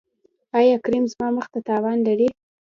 ایا کریم زما مخ ته تاوان لري؟